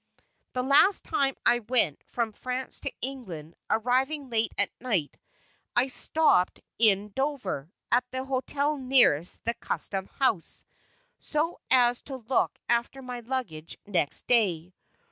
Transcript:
The last time I went from France to England, arriving late at night, I stopped in Dover, at the hotel nearest the custom house, so as to look after my luggage next day.